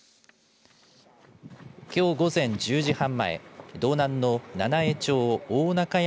きょう午前１０時半前道南の七飯町大中山